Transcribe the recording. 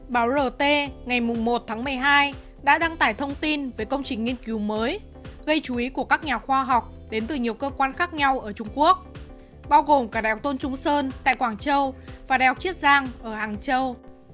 báo rt ngày một tháng một mươi hai đã đăng tải thông tin về công trình nghiên cứu mới gây chú ý của các nhà khoa học đến từ nhiều cơ quan khác nhau ở trung quốc bao gồm cả đại học tôn trung sơn tại quảng châu và đèo chiết giang ở hàng châu